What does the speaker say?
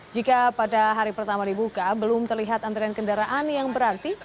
jika pada hari pertama dibuka belum terlihat antrean kendaraan yang berarti